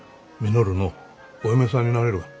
稔のお嫁さんになれるがん。